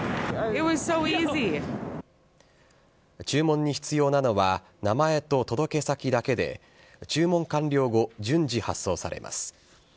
注文に必要なのは、名前と届け先だけで、注文完了後、順次発送されます。